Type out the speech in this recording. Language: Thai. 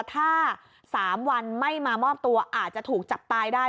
ถ้า๓วันไม่มามอบตัวอาจจะถูกจับตายได้